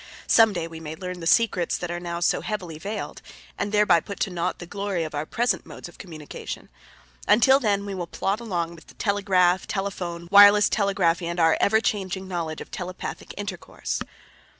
Some day we may learn the secrets that are now so heavily veiled and thereby put to naught the glory of our present modes of communication. Until then we will plod along with the telegraph, telephone, wireless telegraphy and our ever changing knowledge of telepathic intercourse.